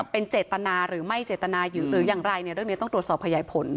เป็นเจตนาหรือไม่เจตนาอยู่หรือยังไรเรื่องนี้ต้องตรวจสอบพยายายผล